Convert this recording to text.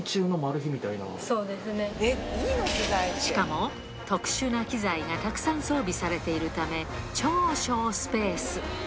しかも、特殊な機材がたくさん装備されているため、超省スペース。